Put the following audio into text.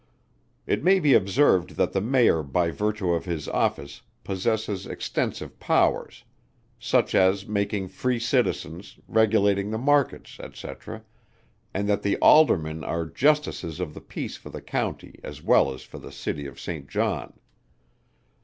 It may be observed that the Mayor by virtue of his office possesses extensive powers; such as making Free Citizens, regulating the Markets, &c. and that the Aldermen are Justices of the Peace for the County as well as for the City of St. John.